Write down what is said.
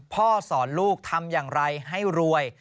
พ่อสอนลูกทำอย่างไรให้รวย